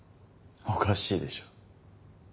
おかしいでしょう。